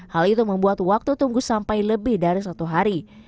hal itu membuat waktu tunggu sampai lebih dari satu hari